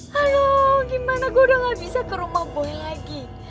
halo gimana gue udah gak bisa ke rumah bui lagi